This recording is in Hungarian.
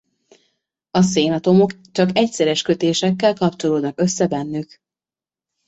A szénatomok csak egyszeres kötésekkel kapcsolódnak össze bennük.